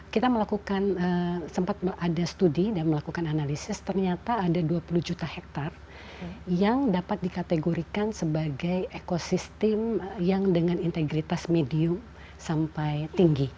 kita melakukan sempat ada studi dan melakukan analisis ternyata ada dua puluh juta hektare yang dapat dikategorikan sebagai ekosistem yang dengan integritas medium sampai tinggi